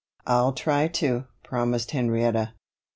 "I'll try to," promised Henrietta.